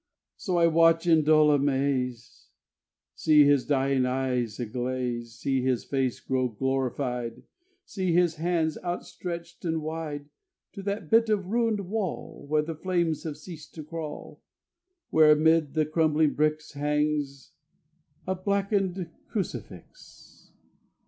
So I watch in dull amaze, See his dying eyes a glaze, See his face grow glorified, See his hands outstretched and wide To that bit of ruined wall Where the flames have ceased to crawl, Where amid the crumbling bricks Hangs _A BLACKENED CRUCIFIX.